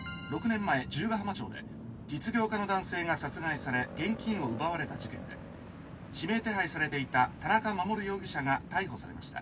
６年前十ヶ浜町で実業家の男性が殺害され現金を奪われた事件で指名手配されていた田中守容疑者が逮捕されました。